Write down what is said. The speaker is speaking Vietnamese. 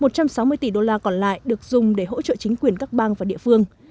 một trăm sáu mươi tỷ đô la còn lại được dùng để hỗ trợ chính quyền các bang và địa phương